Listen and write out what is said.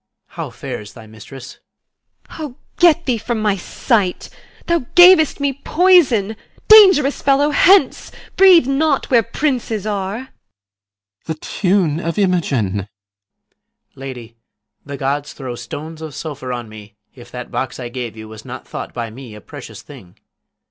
PISANIO. How fares my mistress? IMOGEN. O, get thee from my sight; Thou gav'st me poison. Dangerous fellow, hence! Breathe not where princes are. CYMBELINE. The tune of Imogen! PISANIO. Lady, The gods throw stones of sulphur on me, if That box I gave you was not thought by me A precious thing!